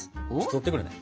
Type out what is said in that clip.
取ってくるね。